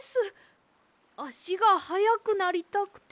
あしがはやくなりたくて。